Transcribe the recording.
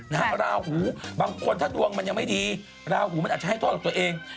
นะฮะลาหูบางคนถ้าดวงมันยังไม่ดีลาหูมันอาจจะให้ตัวออกตัวเอง